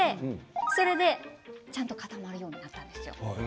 それで、ちゃんと固まるようになったんです。